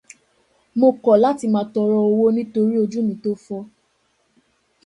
Mo kọ̀ láti máa tọrọ owó nítorí ojú mi tó fọ́.